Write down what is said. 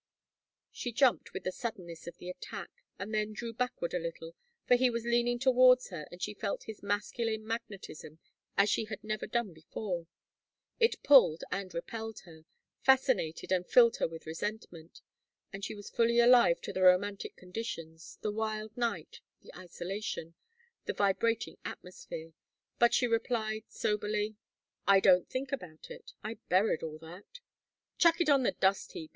She jumped with the suddeness of the attack, and then drew backward a little, for he was leaning towards her and she felt his masculine magnetism as she had never done before. It pulled and repelled her, fascinated and filled her with resentment. And she was fully alive to the romantic conditions, the wild night, the isolation, the vibrating atmosphere. But she replied, soberly: "I don't think about it. I buried all that " "Chuck it on the dust heap!